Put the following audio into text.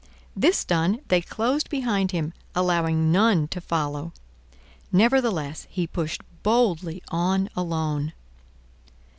This done, they closed behind him, allowing none to follow. Nevertheless, he pushed boldly on alone.